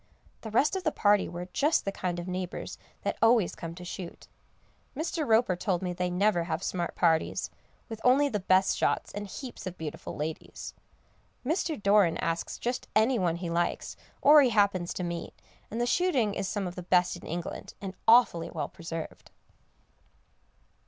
The rest of the party were just the kind of neighbours that always come to shoot. Mr. Roper told me they never have smart parties, with only the best shots, and heaps of beautiful ladies. Mr. Doran asks just any one he likes, or he happens to meet, and the shooting is some of the best in England, and awfully well preserved.